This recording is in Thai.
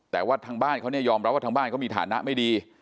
แต่ว่าทางบ้านเขายอมร้องว่าทางบ้านเค้ามีฐานะไม่ดี